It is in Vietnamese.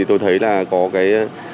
tôi thấy là có cái